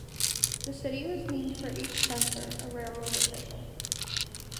The city was named for H. Spencer, a railroad official.